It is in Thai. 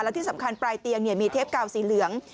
และที่สำคัญปลายเตียงมีเทปกาวสีเหลือง